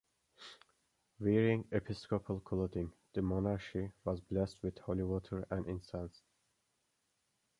Wearing Episcopal clothing, the monarch was blessed with holy water and incensed.